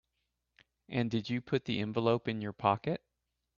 And did you put the envelope in your pocket?